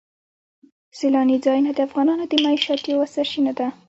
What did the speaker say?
سیلاني ځایونه د افغانانو د معیشت یوه سرچینه ده.